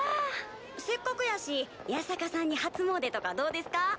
せっかくやし八坂さんに初もうでとかどうですか？